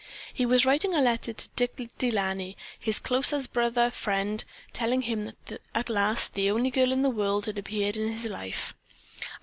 He was writing a letter to Dick De Laney, his close as a brother friend, telling him that at last the only girl in the world had appeared in his life.